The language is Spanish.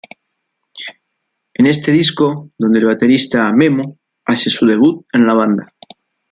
Es en este disco donde el baterista "Memo" hace su debut en la banda.